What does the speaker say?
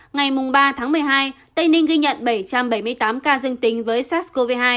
ngày ba tháng một mươi hai tây ninh ghi nhận bảy trăm bảy mươi tám ca dương tính với sars cov hai